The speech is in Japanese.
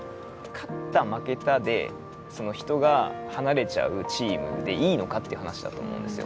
勝った負けたでその人が離れちゃうチームでいいのかっていう話だと思うんですよ。